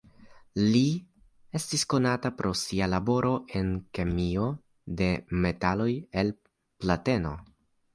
Li estis konata pro sia laboro en kemio de metaloj el plateno.